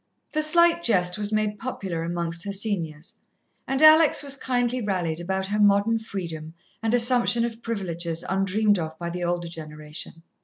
The slight jest was made popular amongst her seniors, and Alex was kindly rallied about her modern freedom and assumption of privileges undreamed of by the older generation.